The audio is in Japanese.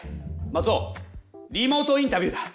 マツオリモートインタビューだ！